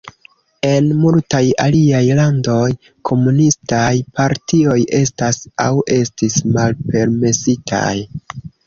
En multaj aliaj landoj, komunistaj partioj estas aŭ estis malpermesitaj.